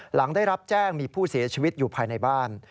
หลังได้รับแจ้งมีผู้เสียชีวิตอยู่ภายในบ้าน